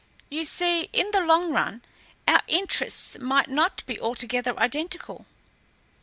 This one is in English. You see, in the long run, our interests might not be altogether identical."